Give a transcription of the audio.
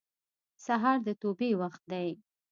سهار د توبې وخت دی.